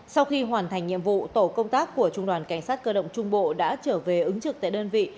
sau khi hoàn thành nhiệm vụ tổ công tác của trung đoàn cảnh sát cơ động trung bộ đã trở về ứng trực tại đơn vị